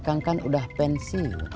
akang kan udah pensiun